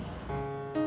kalo aku gak ada uang